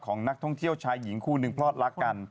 ของนักท่องเที่ยวชายหญิงคู่หนึ่งพลอดรักกัน